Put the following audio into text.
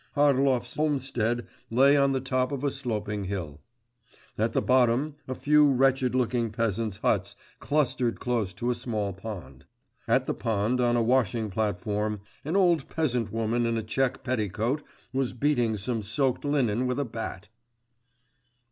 Harlov's homestead lay on the top of a sloping hill. At the bottom, a few wretched looking peasants' huts clustered close to a small pond. At the pond, on a washing platform, an old peasant woman in a check petticoat was beating some soaked linen with a bat.